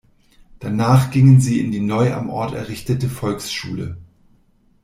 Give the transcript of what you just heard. Danach gingen sie in die neu am Ort errichtete Volksschule.